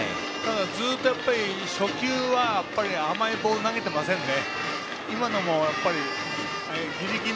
ずっと初球は甘いボールを投げていませんね。